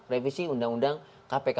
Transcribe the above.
revisi undang undang kpk